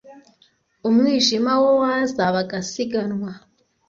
umwijima wo waza bagasiganwa